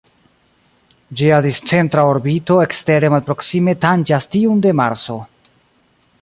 Ĝia discentra orbito ekstere malproksime tanĝas tiun de Marso.